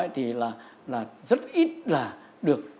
thì là rất ít là được